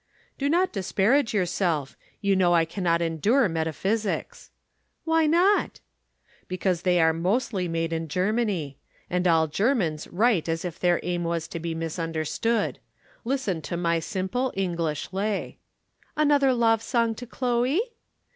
"Do not disparage yourself. You know I cannot endure metaphysics." "Why not?" "Because they are mostly made in Germany. And all Germans write as if their aim was to be misunderstood. Listen to my simple English lay." "Another love song to Chloe?"